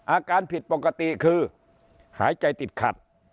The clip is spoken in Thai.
อาการผิดปกติคือหายใจติดขัด